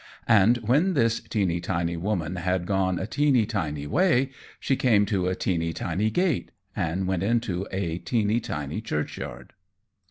And when this teeny tiny woman had gone a teeny tiny way she came to a teeny tiny gate, and went into a teeny tiny church yard.